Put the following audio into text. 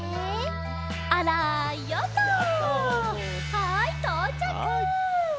はいとうちゃく！